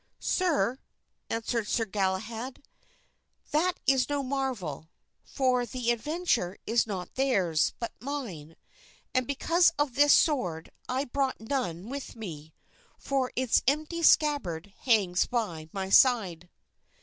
"Sir," answered Sir Galahad, "that is no marvel, for the adventure is not theirs, but mine; and because of this sword I brought none with me, for its empty scabbard hangs by my side."